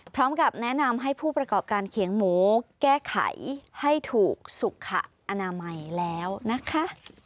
พร้อมกับแนะนำให้ผู้ประกอบการเขียงหมูแก้ไขให้ถูกสุขอนามัยแล้วนะคะ